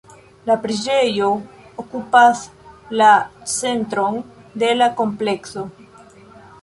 La preĝejo okupas la centron de la komplekso.